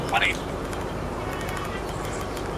پانګه د توليدي سکتور د پياوړتيا لپاره کارول کېږي.